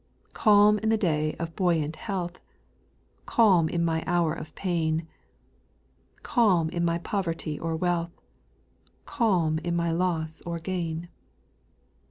Calm in the day of buoyant health ; Calm in my hour of pain ; Calm in my poverty or wealth ; Calm in my loss or gain ;— 6.